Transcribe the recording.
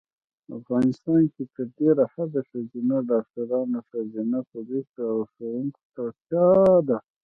افغانیستان کې تر ډېره حده ښځېنه ډاکټرانو ښځېنه پولیسو او ښوونکو ته اړتیا ده